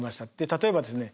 例えばですね